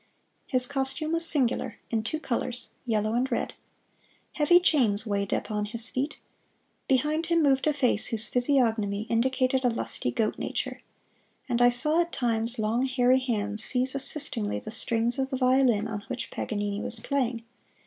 His costume was singular, in two colors, yellow and red. Heavy chains weighed upon his feet. Behind him moved a face whose physiognomy indicated a lusty goat nature. And I saw at times long, hairy hands seize assistingly the strings of the violin on which Paganini was playing.